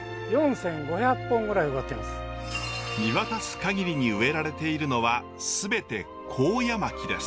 見渡すかぎりに植えられているのは全て高野槙です。